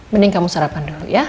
mending kamu sarapan dulu ya